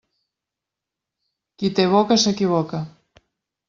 Qui té boca s'equivoca.